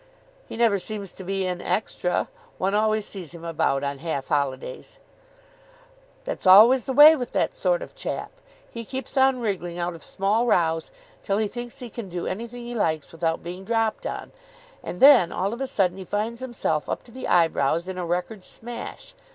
"He never seems to be in extra. One always sees him about on half holidays." "That's always the way with that sort of chap. He keeps on wriggling out of small rows till he thinks he can do anything he likes without being dropped on, and then all of a sudden he finds himself up to the eyebrows in a record smash.